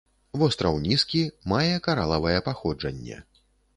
Востраў нізкі, мае каралавае паходжанне.